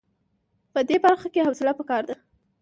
په دې برخه کې حوصله په کار ده.